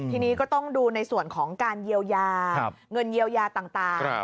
ทีนี้ก็ต้องดูในส่วนของการเยียวยาเงินเยียวยาต่าง